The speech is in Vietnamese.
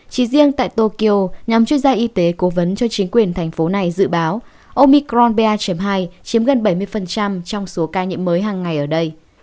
chỉ riêng tại tokyo nhóm chuyên gia y tế cố vấn cho chính quyền thành phố này dự báo ông micronba hai chiếm gần bảy mươi trong số ca nhiễm mới hàng ngày ở đây